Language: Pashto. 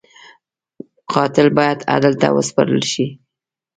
قاتل باید عدل ته وسپارل شي